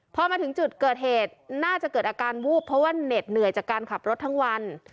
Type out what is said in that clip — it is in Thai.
พอมาถึงจุดเกิดเหตุน่าจะเกิดอาการวูบเพราะว่าเหน็ดเหนื่อยจากการขับรถทั้งวัน